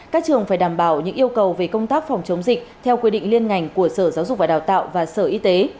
các trường phải đảm bảo những yêu cầu về công tác phòng chống dịch theo quy định liên ngành của sở giáo dục và đào tạo và sở y tế